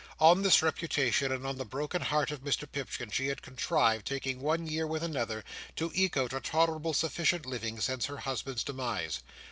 On this reputation, and on the broken heart of Mr Pipchin, she had contrived, taking one year with another, to eke out a tolerable sufficient living since her husband's demise.